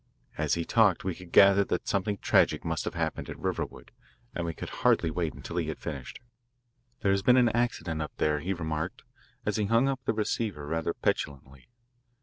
As he talked we could gather that something tragic must have happened at Riverwood, and we could hardly wait until he had finished. "There has been an accident up there," he remarked as he hung up the receiver rather petulantly.